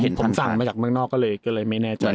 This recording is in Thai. ผมสั่งมาจากเมืองนอกก็เลยไม่แน่ใจ